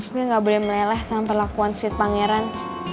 gue gak boleh meleleh sama perlakuan sweet pangeran